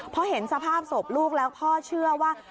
พอเห็นสภาพศพลูกแล้วพ่อเชื่อว่า